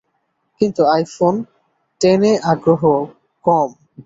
কিন্তু আইফোন টেনে আগ্রহ কম।